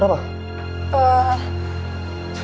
tadi papa telepon